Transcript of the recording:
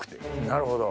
なるほど。